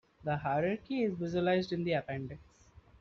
The hierarchy is visualized in the appendix.